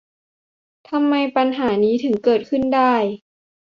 ทำไมปัญหานี้ถึงเกิดขึ้นได้ ?